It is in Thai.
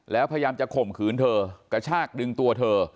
แล้วพยายามจะข่มขืนเธอกระชากดึงตัวเธอ